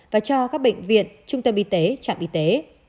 và cho các bệnh viện trung tâm y tế trạm y tế